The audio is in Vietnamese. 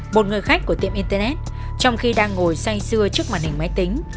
một người khách của tiệm internet trong khi đang ngồi say xưa trước màn hình máy tính